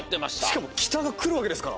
しかも「きた」がくるわけですから。